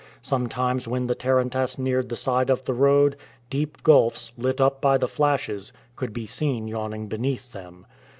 Sometimes when the tarantass neared the side of the road, deep gulfs, lit up by the flashes, could be seen yawning beneath them.